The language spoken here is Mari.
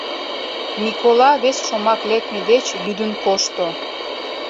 Микола вес шомак лекме деч лӱдын кошто.